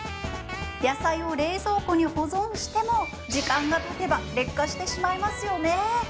野菜を冷蔵庫に保存しても時間がたてば劣化してしまいますよね